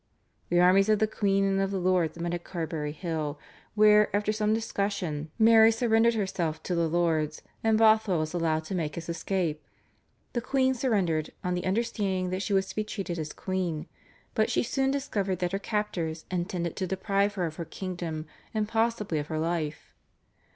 The armies of the queen and of the lords met at Carbery Hill, where after some discussion Mary surrendered herself to the lords, and Bothwell was allowed to make his escape. The queen surrendered on the understanding that she was to be treated as queen, but she soon discovered that her captors intended to deprive her of her kingdom and possibly of her life.